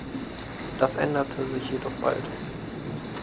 Das änderte sich jedoch bald.